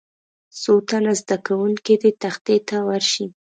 څو تنه زده کوونکي دې تختې ته ورشي.